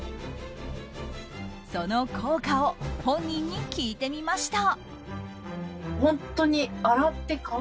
その効果を本人に聞いてみました。